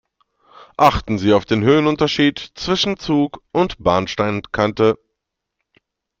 Achten Sie auf den Höhenunterschied zwischen Zug und Bahnsteigkante.